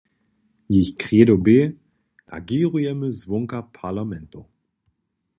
Jich kredo bě: Agěrujemy zwonka parlamentow.